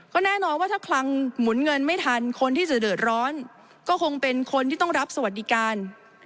ก็แน่นอนว่าถ้าคลังหมุนเงินไม่ทันคนที่จะเดือดร้อนก็คงเป็นคนที่ต้องรับสวัสดิการ